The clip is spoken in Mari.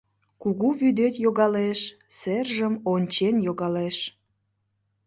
Кугу вӱдет йогалеш, сержым ончен йогалеш.